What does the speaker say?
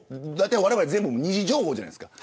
われわれ全部、２次情報じゃないですか。